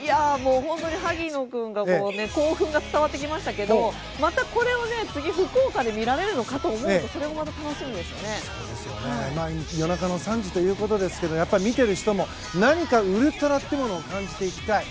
萩野君が興奮が伝わってきましたけどまたこれを次の福岡で見られるのかと思うと夜中の３時ということですけど見ている人も何かウルトラということを感じていきたい。